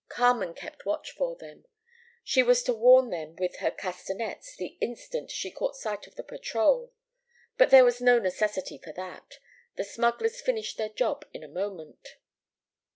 Carmen kept watch for them. She was to warn them with her castanets the instant she caught sight of the patrol. But there was no necessity for that. The smugglers finished their job in a moment.